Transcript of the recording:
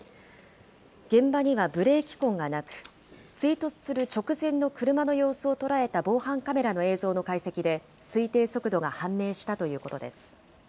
現場にはブレーキ痕がなく、追突する直前の車の様子を捉えた防犯カメラの映像の解析で推定速度が判明したということです。